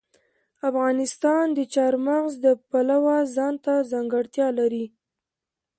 افغانستان د چار مغز د پلوه ځانته ځانګړتیا لري.